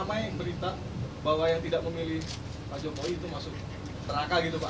ramai berita bahwa yang tidak memilih pak jokowi itu masuk teraka gitu pak